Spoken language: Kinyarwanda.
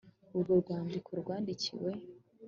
Urwo rwandiko rwandikiwe